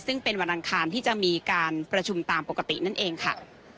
ซึ่งเป็นวันอังคารที่จะมีการประชุมตามปกตินั่นเองค่ะ